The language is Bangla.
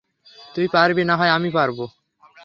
তুই পরবি নাহয় আমি পরব।